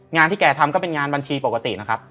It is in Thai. ที่แกทำก็เป็นงานบัญชีปกตินะครับ